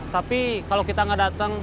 tapi kalau kita nggak datang